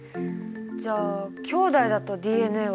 じゃあきょうだいだとＤＮＡは一緒？